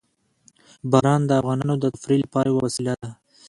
باران د افغانانو د تفریح لپاره یوه وسیله ده.